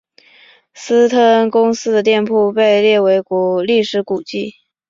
斯特恩公司的店铺被列为历史古迹。